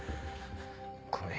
ごめん。